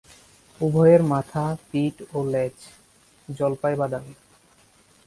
উভয়ের মাথা, পিঠ ও লেজ জলপাই-বাদামি।